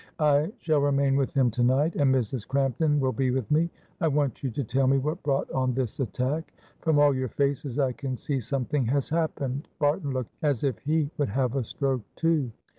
I shall remain with him tonight and Mrs. Crampton will be with me. I want you to tell me what brought on this attack. From all your faces I can see something has happened. Barton looked as if he would have a stroke, too?"